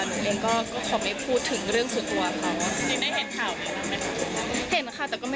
หนูเองก็ขอไม่พูดถึงเรื่องส่วนตัวค่ะ